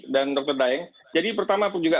dan dr daeng jadi pertama pun juga